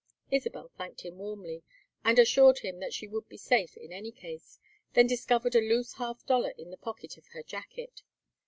Isabel thanked him warmly, and assured him that she would be safe in any case, then discovered a loose half dollar in the pocket of her jacket.